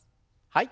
はい。